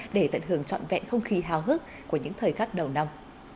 để tận hưởng trọn vẹn không khí hào hức của những thời khắc đầu năm